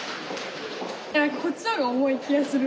こっちの方が重い気がする。